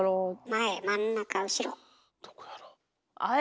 前真ん中後ろ。